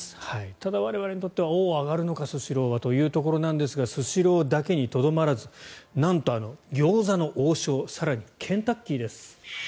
ただ我々にとってはおお、上がるのかスシローというところですがスシローだけにとどまらずなんと、餃子の王将更にケンタッキーです。